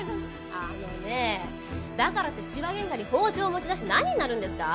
あのねだからって痴話喧嘩に包丁を持ち出して何になるんですか？